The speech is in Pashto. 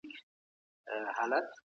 بلغاري، لاتيني، سنسکريټ، نيدرلېنډي، چکي،